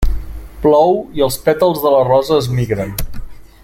Plou i els pètals de la rosa es migren.